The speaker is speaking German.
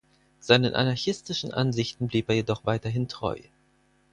Seinen anarchistischen Ansichten blieb er jedoch weiterhin treu.